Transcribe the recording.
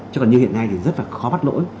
chứ còn như hiện nay thì rất là khó bắt lỗi